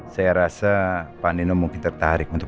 saya siapakan nona saat ber tiktok